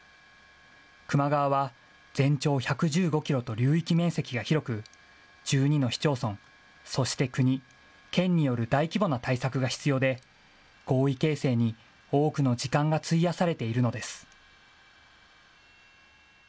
球磨川は全長１１５キロと流域面積が広く、１２の市町村、そして国、県による大規模な対策が必要で、合意形成に多くの時間が費やされているのです。